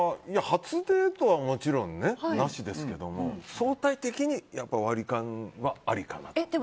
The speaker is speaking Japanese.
初デートはもちろん、なしですけど相対的に割り勘はありかなと。